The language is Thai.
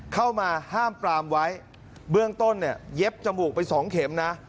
เข้ามาห้ามปรามไว้เบื้องต้นเนี่ยเย็บจมูกไปสองเข็มนะ